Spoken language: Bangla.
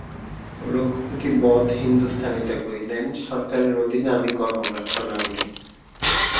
রঘুপতি বদ হিন্দুস্থানিতে কহিলেন, সরকারের অধীনে আমি কর্ম প্রার্থনা করি।